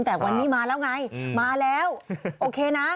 แต่วันนี้มาแล้วไงมาแล้วโอเคนะ